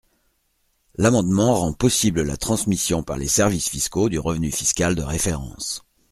L’amendement rend possible la transmission par les services fiscaux du revenu fiscal de référence.